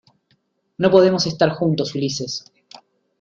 no podemos estar juntos, Ulises